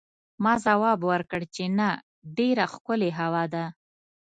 ما ځواب ورکړ چې نه، ډېره ښکلې هوا ده.